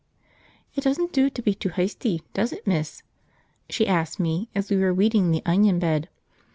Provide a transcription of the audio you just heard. "It doesn't do to be too hysty, does it, miss?" she asked me as we were weeding the onion bed.